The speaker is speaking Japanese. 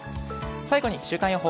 最後に週間予報。